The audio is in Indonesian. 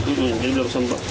iya ini bersempat